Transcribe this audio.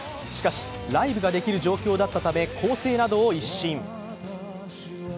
しかし、ライブができる状況だったため、構成などを一新。